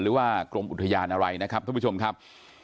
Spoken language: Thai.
หรือว่ากรมอุทยานอะไรนะครับท่านผู้ชมครับ